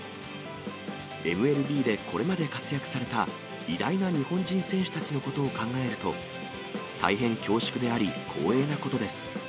ＭＬＢでこれまで活躍された偉大な日本人選手たちのことを考えると、大変恐縮であり、光栄なことです。